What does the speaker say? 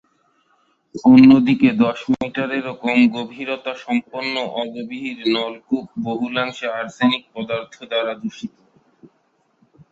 অন্যদিকে দশ মিটারেরও কম গভীরতাসম্পন্ন অগভীর নলকূপ বহুলাংশে আর্সেনিক পদার্থ দ্বারা দূষিত।